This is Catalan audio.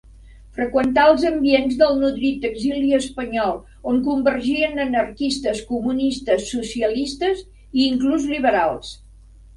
Freqüentà els ambients del nodrit exili espanyol, on convergien anarquistes, comunistes, socialistes i inclús liberals.